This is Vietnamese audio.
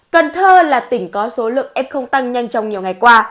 cần thơ là tỉnh có số lượng ép không tăng nhanh trong nhiều ngày qua